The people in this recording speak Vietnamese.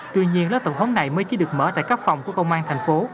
tuy nhiên lớp tập huấn này mới chỉ được mở tại các phòng của công an tp hcm